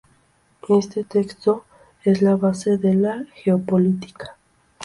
Este texto es la base de la Geopolítica.